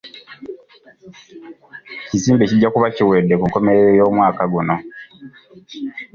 Ekizimbe kijja kuba kiwedde ku nkomerero y'omwaka guno.